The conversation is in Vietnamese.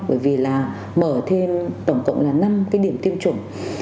bởi vì là mở thêm tổng cộng là năm cái điểm tiêm chủng